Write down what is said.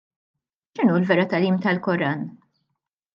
X'inhu l-vera tagħlim tal-Koran?